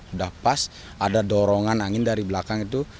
sudah pas ada dorongan angin dari belakang itu